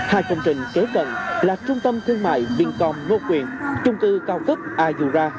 hai công trình kế cận là trung tâm thương mại vincom ngô quyền trung cư cao cấp azura